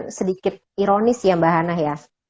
ini sedikit ironis ya mbak hana ya